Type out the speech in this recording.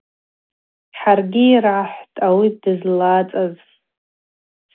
Хӏаргьи йрахӏхӏвтӏ ауи дызлацаз.